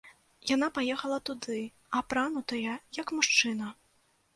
Яна паехала туды, апранутая як мужчына.